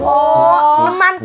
oh neman toh